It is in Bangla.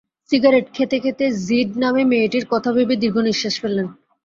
সিগারেট খেতে-খেতে জোিড নামে মেয়েটির কথা ভেবে দীর্ঘনিঃশ্বাস ফেললেন।